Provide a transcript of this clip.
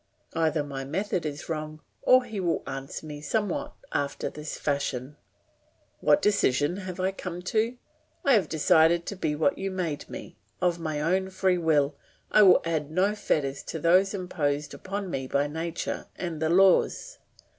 Either my method is wrong, or he will answer me somewhat after this fashion "What decision have I come to? I have decided to be what you made me; of my own free will I will add no fetters to those imposed upon me by nature and the laws.